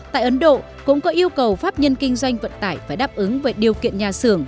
tại ấn độ cũng có yêu cầu pháp nhân kinh doanh vận tải phải đáp ứng về điều kiện nhà xưởng